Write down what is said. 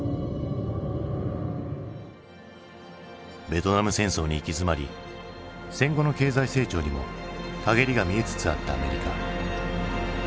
ベトナム戦争に行き詰まり戦後の経済成長にも陰りが見えつつあったアメリカ。